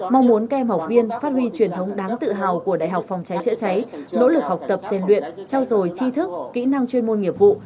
mong muốn các em học viên phát huy truyền thống đáng tự hào của đại học phòng cháy chữa cháy nỗ lực học tập gian luyện trao dồi chi thức kỹ năng chuyên môn nghiệp vụ